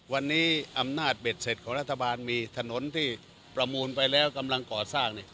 วันนี้อำนาจเบ็ดเสร็จของรัฐบาลมีถนนที่ประมูลไปแล้วกำลังก่อสร้าง